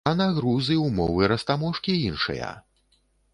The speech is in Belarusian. А на груз і ўмовы растаможкі іншыя!